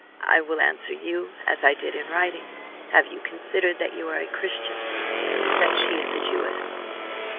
"I will answer you as I did in writing. Have you considered that you are a Christian; that she is a Jewess?"